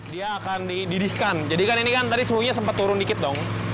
dia akan dididihkan jadi kan ini kan tadi suhunya sempat turun dikit dong